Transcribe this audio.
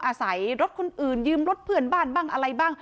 อาศัยรถคนอื่นยืมรถเพื่อนบ้านบ้างอะไรบ้าง